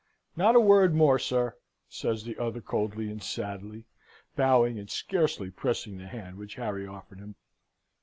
"Not a word more, sir," says the other, coldly and sadly, bowing and scarcely pressing the hand which Harry offered him.